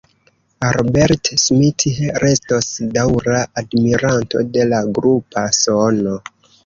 Robert Smith restos daŭra admiranto de la grupa sono.